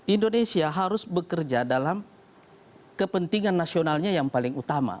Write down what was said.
indonesia harus bekerja dalam kepentingan nasionalnya yang paling utama